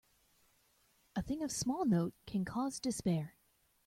A thing of small note can cause despair.